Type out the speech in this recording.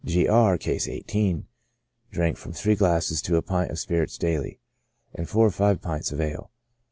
G. R — (Case 18) drank from three glasses to a pint of spirits daily, and four or five pints of ale.